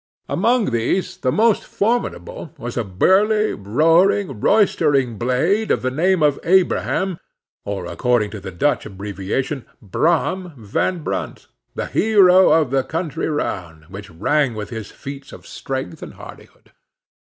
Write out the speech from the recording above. Among these, the most formidable was a burly, roaring, roystering blade, of the name of Abraham, or, according to the Dutch abbreviation, Brom Van Brunt, the hero of the country round, which rang with his feats of strength and hardihood.